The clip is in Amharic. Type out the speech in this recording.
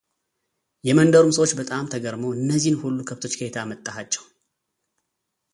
የመንደሩም ሰዎች በጣም ተገርመው “እነዚህን ሁሉ ከብቶች ከየት አመጣሃቸው::